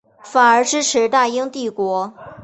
反而支持大英帝国。